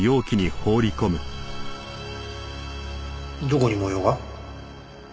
どこに模様が？